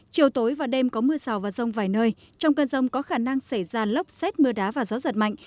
chiều tối và đêm có mưa rào và rông vài nơi trong cơn rông có khả năng xảy ra lốc xét mưa đá và gió giật mạnh